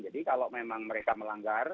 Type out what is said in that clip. jadi kalau memang mereka melanggar